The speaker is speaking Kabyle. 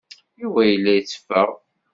Yuba yella yetteffeɣ.